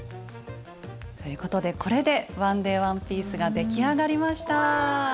ということでこれで１ｄａｙワンピースが出来上がりました。